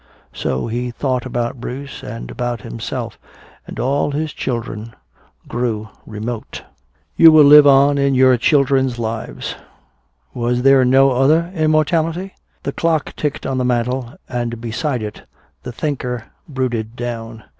So he thought about Bruce and about himself, and all his children grew remote. "You will live on in our children's lives." Was there no other immortality? The clock ticked on the mantle and beside it "The Thinker" brooded down.